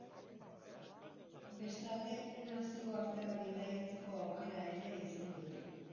Bestalde, nazioartera bidaiatzeko aukera ere izan dugu.